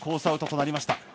アウトとなりました。